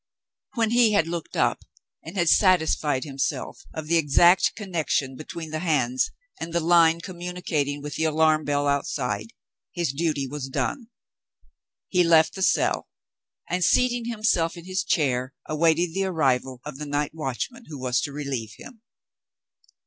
When he had looked up, and had satisfied himself of the exact connection between the hands and the line communicating with the alarm bell outside, his duty was done. He left the cell; and, seating himself in his chair, waited the arrival of the night watchman who was to relieve him.